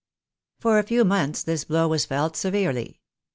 For a few months this blow was felt severely.